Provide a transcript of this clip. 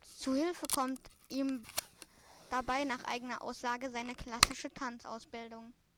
Zu Hilfe kommt ihm dabei nach eigener Aussage seine klassische Tanzausbildung.